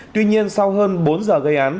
tuy nhiên sau hơn bốn giờ gây án